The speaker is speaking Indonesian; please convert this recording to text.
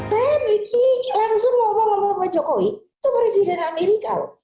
saya berpikir langsung ngomong sama jokowi itu presiden amerika